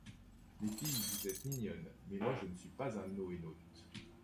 Les filles, vous êtes mignonnes mais moi je suis pas un NoéNaute.